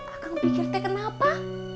akang pikir teh kenapa